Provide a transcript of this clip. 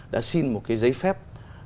đã xin một cái giấy phép